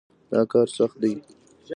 دا کار سخت دی.